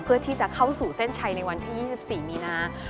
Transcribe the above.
เพื่อที่จะเข้าสู่เส้นชัยในวันที่๒๔มีนา